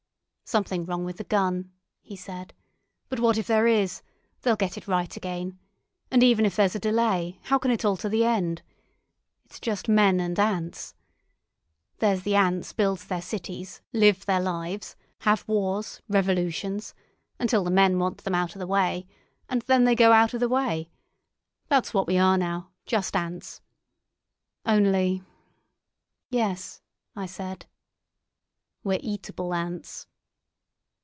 "Something wrong with the gun," he said. "But what if there is? They'll get it right again. And even if there's a delay, how can it alter the end? It's just men and ants. There's the ants builds their cities, live their lives, have wars, revolutions, until the men want them out of the way, and then they go out of the way. That's what we are now—just ants. Only——" "Yes," I said. "We're eatable ants."